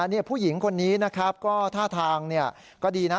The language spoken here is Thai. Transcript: เนี้ยผู้หญิงคนนี้นะครับก็ท่าทางเนี้ยก็ดีน่ะ